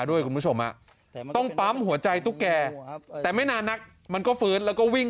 ด้วยคุณผู้ชมต้องปั๊มหัวใจตุ๊กแก่แต่ไม่นานนักมันก็ฟื้นแล้วก็วิ่ง